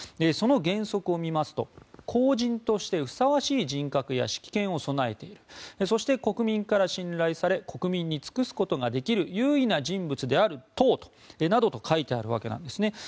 その原則を見ますと公人としてふさわしい人格や識見を備えているそして、国民から信頼され国民に尽くすことができる有為な人物である等と書かれているわけです。